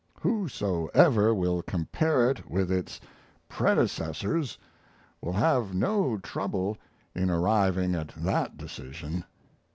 Whosoever will compare it with its predecessors will have no trouble in arriving at that decision.